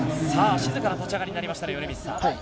静かな立ち上がりになりましたね、米満さん。